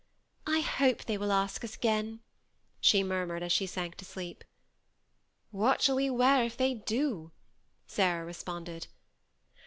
"I hope they will ask us ag&H/' she murmured as she sank to sleep. " What shall we wear if they do ?" Sarah responded.